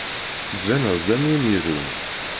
Tettbineḍ-d am win irun.